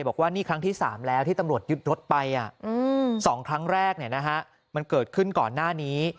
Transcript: บอกว่านี่ครั้งที่๓แล้วที่ตำรวจยึดรถไป๒ครั้งแรกมันเกิดขึ้นก่อนหน้านี้